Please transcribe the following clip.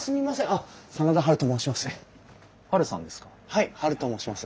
はいハルと申します。